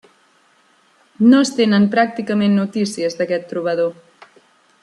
No es tenen pràcticament notícies d'aquest trobador.